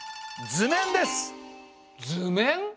図面？